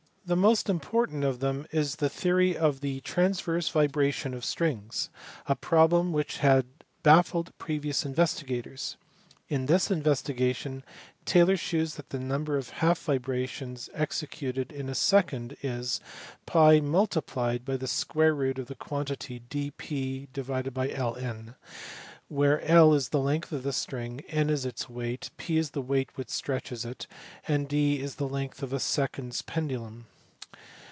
The most important of them is the theory of the transverse vibrations of strings, a problem which had baffled previous investigators. In this investigation Taylor shews that the number of half vibrations executed in a second is /DP "V LN> where L is the length of the string, N its weight, P the weight which stretches it, and D the length of a seconds pendulum.